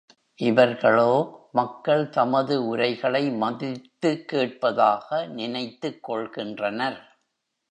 இவர்களோ, மக்கள் தமது உரைகளை மதித்து கேட்பதாக நினைத்துக் கொள்கின்றனர்.